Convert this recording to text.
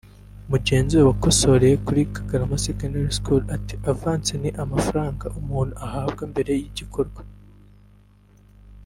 Mugenzi we wakosoreye kuri Kagarama Secondary School ati “Avance ni amafaranga umuntu ahabwa mbere y’igikorwa